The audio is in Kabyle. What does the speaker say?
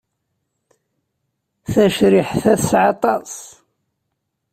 Tacriḥt-a teɛṣa aṭas.